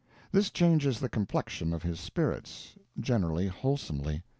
This changes the complexion of his spirits generally wholesomely.